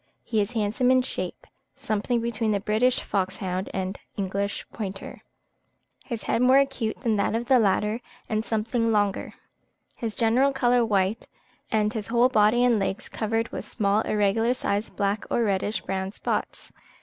He is handsome in shape, something between the British foxhound and English pointer; his head more acute than that of the latter, and something longer: his general colour white, and his whole body and legs covered with small irregular sized black or reddish brown spots.